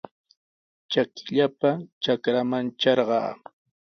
Trakillapa trakraman trarqaa.